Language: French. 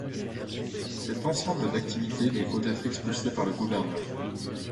Cet ensemble d'activités lui vaut d'être expulsé par le Gouverneur.